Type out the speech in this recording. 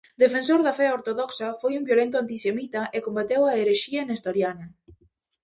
Defensor da fe ortodoxa, foi un violento antisemita e combateu a herexía nestoriana.